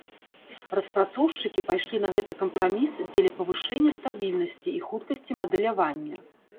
Распрацоўшчыкі пайшлі на гэты кампраміс дзеля павышэння стабільнасці і хуткасці мадэлявання.